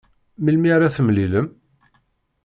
Melmi ara temlilem?